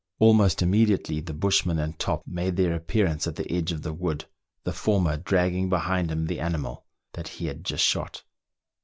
Almost immediately the bushman and Top made their appearance at the edge of the wood, the former dragging behind him the animal that he had just shot.